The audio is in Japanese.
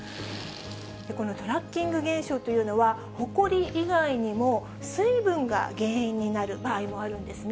このトラッキング現象というのは、ほこり以外にも、水分が原因になる場合もあるんですね。